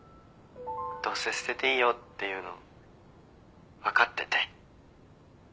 どうせ捨てていいよって言うの分かってて。